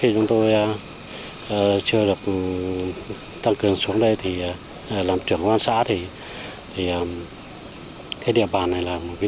chúng tôi tập trung đào tra cơ bản địa bàn giả soát lại các địa các bản có những nguy cơ